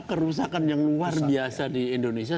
kerusakan yang luar biasa di indonesia